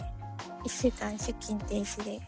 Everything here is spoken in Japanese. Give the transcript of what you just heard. １週間出勤停止で。